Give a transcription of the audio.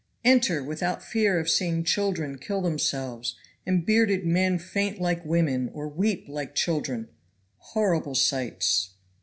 Enter without fear of seeing children kill themselves, and bearded men faint like women, or weep like children horrible sights.